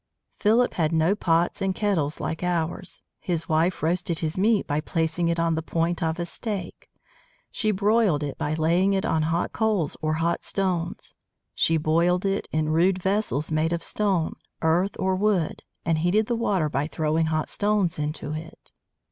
Philip had no pots and kettles like ours. His wife roasted his meat by placing it on the point of a stake. She broiled it by laying it on hot coals or hot stones. She boiled it in rude vessels made of stone, earth, or wood, and heated the water by throwing hot stones into it.